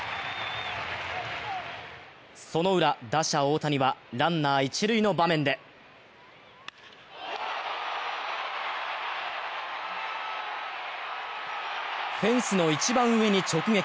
そのウラ、打者・大谷はランナ一塁の場面で、フェンスの一番上に直撃。